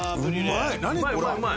うまい！